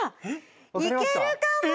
いけるかも！